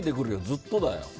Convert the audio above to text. ずっとだよ。